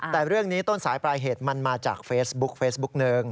แต่เรื่องนี้ต้นสายปลายเหตุมันมาจากเฟซบุ๊กเฟซบุ๊กหนึ่ง